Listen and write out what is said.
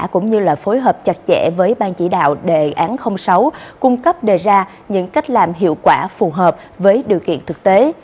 cũng như là phối hợp chặt chẽ với ban chỉ đạo đề án sáu cung cấp đề ra những cách làm hiệu quả phù hợp với điều kiện thực tế